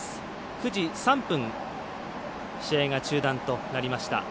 ９時３分試合が中断となりました。